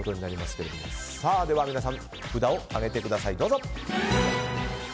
では皆さん、札を上げてください。